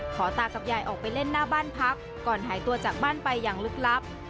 ตากับยายออกไปเล่นหน้าบ้านพักก่อนหายตัวจากบ้านไปอย่างลึกลับ